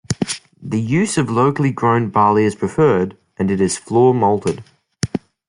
The use of locally grown barley is preferred, and it is floor-malted.